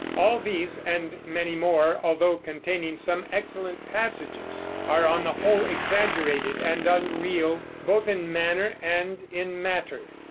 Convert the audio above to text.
All these, and many more, although containing some excellent passages, are on the whole exaggerated and unreal, both in manner and in matter.